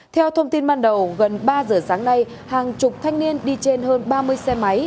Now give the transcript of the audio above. theo thông tin ban đầu gần ba giờ sáng nay hàng chục thanh niên đi trên hơn ba mươi xe máy